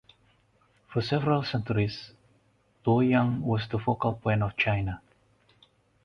For several centuries, Luoyang was the focal point of China.